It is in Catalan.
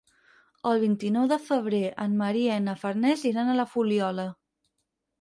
El vint-i-nou de febrer en Maria i na Farners iran a la Fuliola.